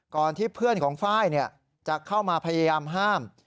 ก่อนที่เพื่อนของไฟล์จะเข้ามาพยายามห้าม